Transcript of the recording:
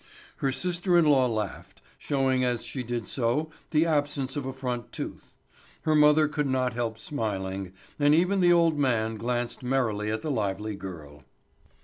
Her sister in law laughed, showing as she did so the absence of a front tooth; her mother could not help smiling, and even the old man glanced merrily at the lively girl.